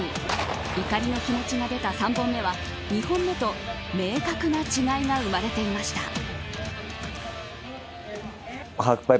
怒りの気持ちが出た３本目は２本目と明確な違いが生まれていました。